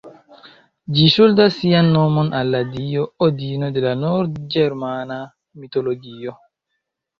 Ĝi ŝuldas sian nomon al la dio Odino de la nord-ĝermana mitologio.